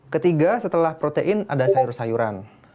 ketiga setelah protein ada sayur sayuran